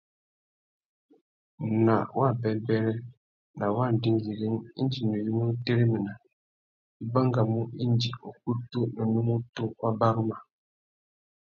Nà wabêbêrê, nà wa ndingüîring, indi nuyumú nu téréména, i bangamú indi ukutu na unúmútú wá baruma.